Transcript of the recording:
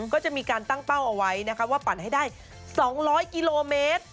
ก็จะมีการตั้งเป้าเอาไว้นะคะว่าปั่นให้ได้๒๐๐กิโลเมตร